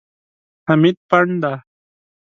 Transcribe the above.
حمید پنډ دی.